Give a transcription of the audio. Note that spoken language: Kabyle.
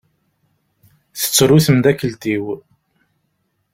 Tettru temdakelt-iw.